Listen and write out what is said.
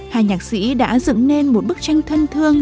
hai nhạc sĩ đã dựng nên một bức tranh thân thương